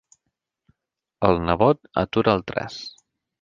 El nebot atura el traç.